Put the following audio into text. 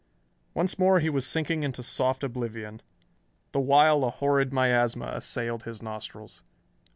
Once more he was sinking into soft oblivion, the while a horrid miasma assailed his nostrils.